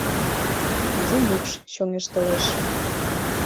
Изи мӱкш чоҥештылеш.